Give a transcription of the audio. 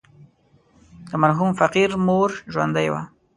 د مرحوم فقير مور ژوندۍ وه.